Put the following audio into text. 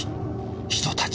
「人たち」。